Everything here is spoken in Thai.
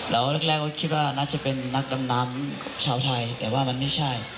แล้วแรกก็คิดว่าน่าจะเป็นนักดำน้ำชาวไทยแต่ว่ามันไม่ใช่